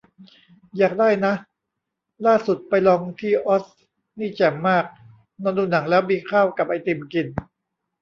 อยากได้ นะ ล่าสุดไปลองที่ออสนี่แจ่มมาก นอนดูหนังแล้วมีข้าวกับไอติมกิน